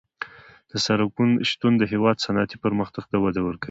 د سرکونو شتون د هېواد صنعتي پرمختګ ته وده ورکوي